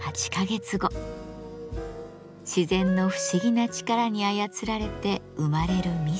自然の不思議な力に操られて生まれる味噌。